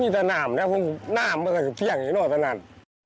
นี่แต่น้ำนะครับน้ำเชียงอยู่ตั้งนาน